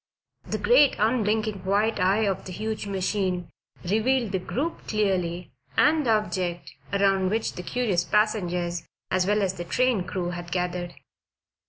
The great, unblinking, white eye of the huge machine revealed the group clearly and the object around which the curious passengers, as well as the train crew, had gathered.